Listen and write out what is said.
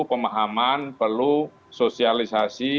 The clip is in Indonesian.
pemahaman perlu sosialisasi